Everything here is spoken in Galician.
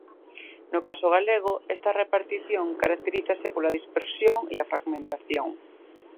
No caso galego, esta repartición caracterízase pola dispersión e a fragmentación.